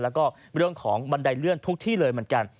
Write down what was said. แล้วก็เรื่องของบันไดเลื่อนทุกที่เลยเหมือนกัน